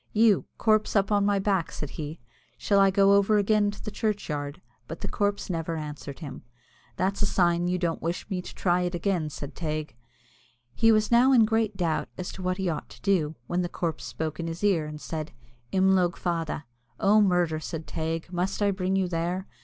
"You corpse, up on my back," said he, "shall I go over again to the churchyard?" but the corpse never answered him. "That's a sign you don't wish me to try it again," said Teig. He was now in great doubt as to what he ought to do, when the corpse spoke in his ear, and said "Imlogue Fada." "Oh, murder!" said Teig, "must I bring you there?